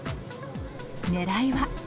ねらいは。